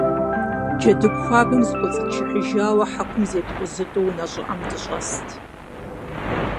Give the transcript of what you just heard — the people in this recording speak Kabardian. Джэдыгу хуабэхэм закӀуэцӀытшыхьыжауэ хьэкум зеткъузылӀэу унэ щӀыӀэм дыщӏэст.